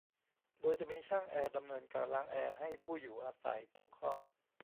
โดยจะมีช่างแอร์ดำเนินการล้างแอร์ให้ผู้อยู่อาศัยทุกห้อง